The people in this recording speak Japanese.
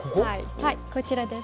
はいこちらです。